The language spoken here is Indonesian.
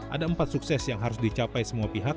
ada empat sukses yang harus dicapai semua pihak